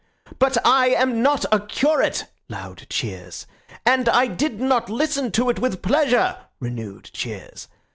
But I am not a curate (loud cheers), and I did not listen to it with pleasure (renewed cheers).